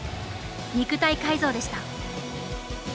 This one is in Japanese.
肉体改造でした。